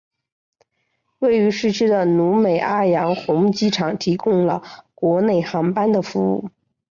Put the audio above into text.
位于市区的努美阿洋红机场提供了国内航班的服务。